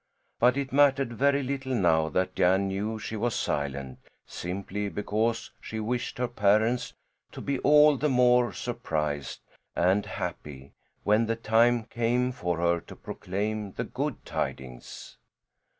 But it mattered very little now that Jan knew she was silent simply because she wished her parents to be all the more surprised and happy when the time came for her to proclaim the good tidings.